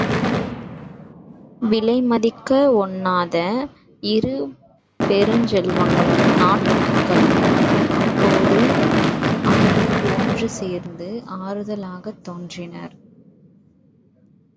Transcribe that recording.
விலைமதிக்க வொண்ணாத இருபெருஞ்செல்வங்களும் நாட்டுமக்களும் அப்போது அவருக்கு ஒன்று சேர்ந்து ஆறுதலாகத் தோன்றினர்.